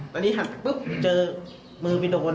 ตอนนี้หันสักปึ๊บเจอมือไปโดน